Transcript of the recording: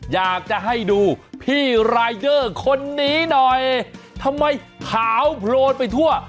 อยากจะให้ดูพี่รายเดอร์คนนี้หน่อยทำไมขาวโพลนไปทั่ว